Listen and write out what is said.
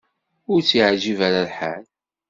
Ur tt-yeɛjib ara lḥal.